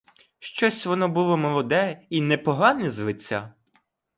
Щось воно було молоде й непогане з лиця.